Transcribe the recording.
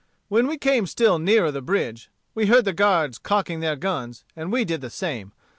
"When we came still nearer the bridge we heard the guards cocking their guns, and we did the same.